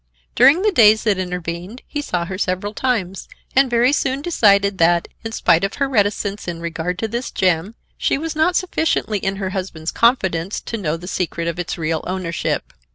During the days that intervened he saw her several times and very soon decided that, in spite of her reticence in regard to this gem, she was not sufficiently in her husband's confidence to know the secret of its real ownership.